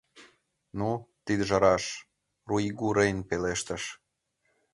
— Ну, тидыже раш, — Руигу-Рейн пелештыш.